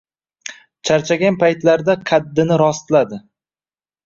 Charchagan paytlarida qaddini rostladi.